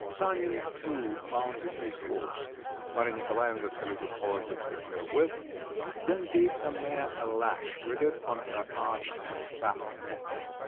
Sanin too mounted his horse; Maria Nikolaevna saluted Polozov with her whip, then gave her mare a lash with it on her arched and flat neck.